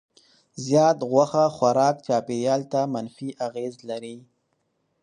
زیات غوښه خوراک چاپیریال ته منفي اغېز لري.